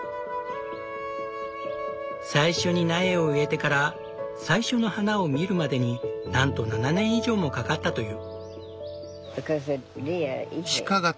最初に苗を植えてから最初の花を見るまでになんと７年以上もかかったという。